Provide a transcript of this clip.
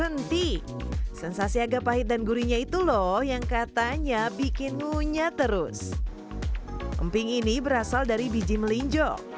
emping ini berasal dari biji melinjo